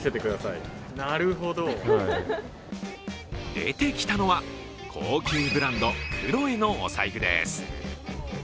出てきたのは、高級ブランドＣｈｌｏｅのお財布です。